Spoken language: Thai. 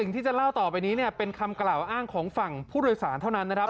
ที่จะเล่าต่อไปนี้เป็นคำกล่าวอ้างของฝั่งผู้โดยสารเท่านั้นนะครับ